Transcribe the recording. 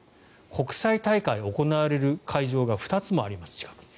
国際大会が行われる会場が２つもあります、近くに。